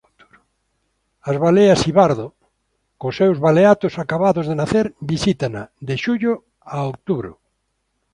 As baleas xibardo cos seus baleatos acabados de nacer visítana de xullo a outubro.